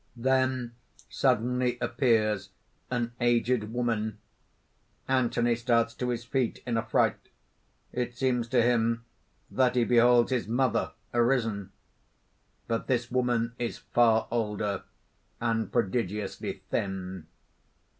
(Then suddenly appears AN AGED WOMAN. Anthony starts to his feet in affright. It seems to him that he beholds his mother arisen. _But this woman is far older, and prodigiously thin.